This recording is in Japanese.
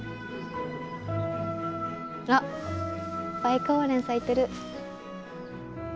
あっバイカオウレン咲いてる。